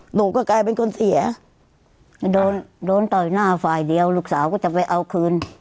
หนูก็กลายเป็นคนเสียไปโดนโดนต่อยหน้าฝ่ายเดียวลูกสาวก็จะไปเอาคืน